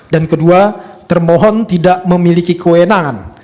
dan kedua termohon tidak memiliki kewenangan